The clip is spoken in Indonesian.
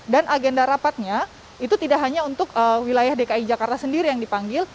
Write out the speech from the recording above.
dan agenda rapatnya itu tidak hanya untuk wilayah dki jakarta sendiri yang dipanggil